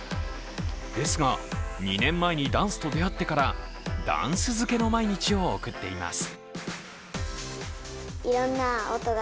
ですが、２年前にダンスと出会ってからダンス漬けの毎日を送っています。